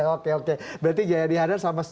oke oke berarti jaya adihanan sama